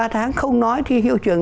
ba tháng không nói thì hiệu trường